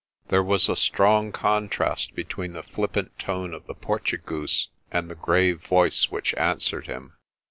There was a strong contrast between the flippant tone of the Portugoose and the grave voice which answered him.